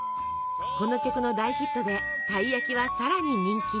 この曲の大ヒットでたい焼きはさらに人気に。